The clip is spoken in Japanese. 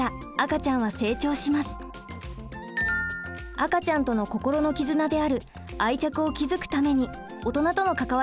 赤ちゃんとの心の絆である「愛着」を築くために大人との関わりが重要です。